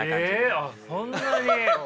あっそんなに。